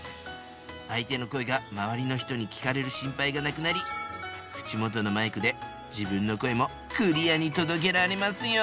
相手の声が周りの人に聞かれる心配がなくなり口元のマイクで自分の声もクリアに届けられますよ。